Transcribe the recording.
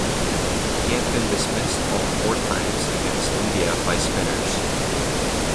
He had been dismissed all four times against India by spinners.